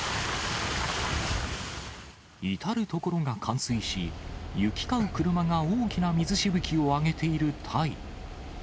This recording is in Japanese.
至る所が冠水し、行き交う車が大きな水しぶきを上げているタイ。